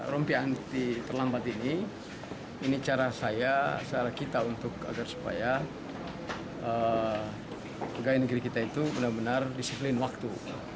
rompi anti terlambat ini ini cara saya cara kita untuk agar supaya pegawai negeri kita itu benar benar disiplin waktu